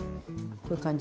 こういう感じ。